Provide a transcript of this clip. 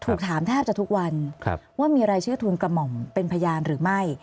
ถูกถามแทบจะทุกวันว่ามีรายชื่อทูลกระหม่อมเป็นพยานหรือไม่